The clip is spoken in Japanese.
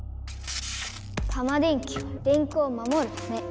タマ電Ｑは電空を守るため。